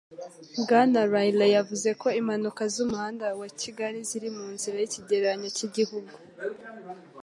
Bwana Riley yavuze ko impanuka z'umuhanda wa kigali ziri munsi y'ikigereranyo cy'igihugu